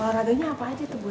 radonya apa aja tuh bu